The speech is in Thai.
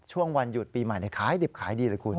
ช่วงวันหยุดปีใหม่ขายดิบขายดีเลยคุณ